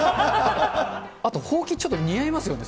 あと、ほうき、ちょっと似合いますよね。